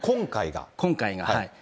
今回が。